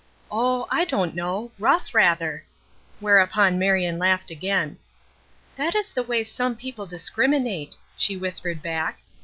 "Oh, I don't know rough, rather." Whereupon Marion laughed again. "That is the way some people discriminate," she whispered back.